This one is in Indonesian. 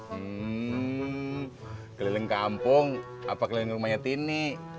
hmm keliling kampung apa keliling rumahnya tini